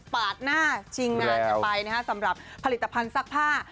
ปาดหน้าชิงนานจะไปสำหรับผลิตภัณฑ์ซักผ้า